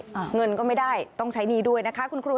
เงินก็ไม่ได้ต้องใช้หนี้ด้วยนะคะคุณครู